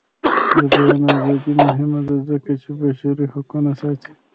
د بیان ازادي مهمه ده ځکه چې بشري حقونه ساتي.